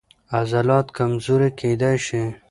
عضلات کمزوري کېدای شي.